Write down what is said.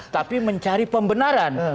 tapi mencari pembenaran